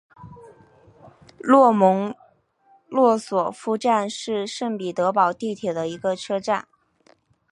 洛蒙诺索夫站是圣彼得堡地铁的一个车站。